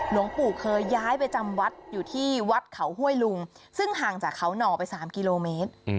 หลวงปู่เคยย้ายไปจำวัดอยู่ที่วัดเขาห้วยลุงซึ่งห่างจากเขาหน่อไป๓กิโลเมตร